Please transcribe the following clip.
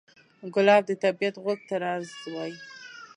ګلاب د طبیعت غوږ ته راز وایي.